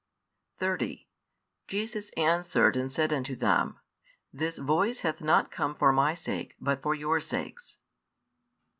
30 Jesus answered and said unto them, This voice hath not come for My sake, but for your sakes.